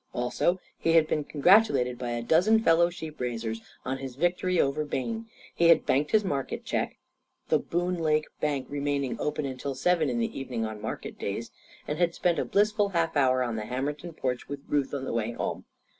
Also, he had been congratulated by a dozen fellow sheep raisers on his victory over Bayne. He had banked his market cheque the Boone Lake Bank remaining open until seven in the evening on market days and had spent a blissful half hour on the Hammerton porch with Ruth on the way home.